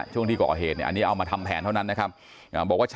ช่วงที่ก่อเหตุอันนี้เอามาทำแผนเท่านั้นนะครับ